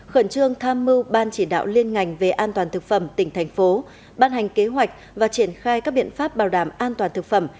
khẩn trương tham mưu ban chỉ đạo liên ngành về an toàn thực phẩm tỉnh thành phố ban hành kế hoạch và triển khai các biện pháp bảo đảm an toàn thực phẩm